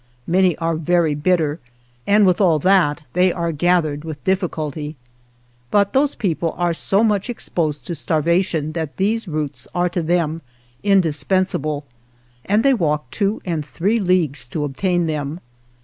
Many are very bitter, and with all that they are gathered with difficulty. But those people are so much exposed to starva tion that these roots are to them indispensa ble and they walk two and three leagues to obtain them.